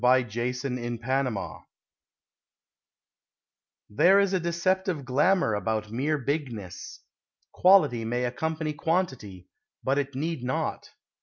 THE NOBLE NATURE There is a deceptive glamour about mere bigness. Quality may accompany quantity, but it need not.